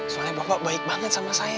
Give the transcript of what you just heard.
soalnya bokok baik banget sama saya